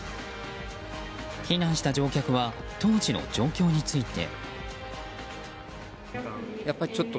避難した乗客は当時の状況について。